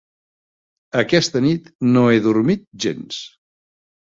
Aquesta nit no he dormit gens.